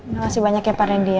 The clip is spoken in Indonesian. terima kasih banyak ya pak randy ya